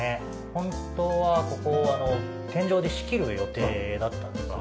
本当はここを天井で仕切る予定だったんですよ。